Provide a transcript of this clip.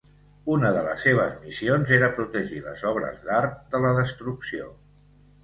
Una de les seves missions era protegir les obres d’art de la destrucció.